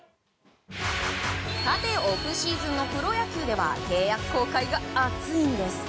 オフシーズンのプロ野球では契約更改が熱いんです！